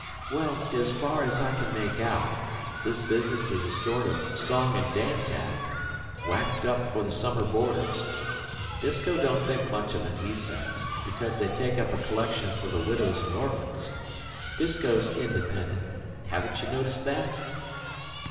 "Well, as far as I can make out, this business is a sort of song and dance act, whacked up for the summer boarders. Disko don't think much of it, he says, because they take up a collection for the widows and orphans. Disko's independent. Haven't you noticed that?"